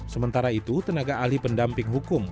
sementara itu tenaga ahli pendamping hukum